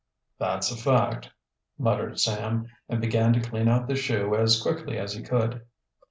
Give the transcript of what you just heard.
"That's a fact," muttered Sam, and began to clean out the shoe as quickly as he could.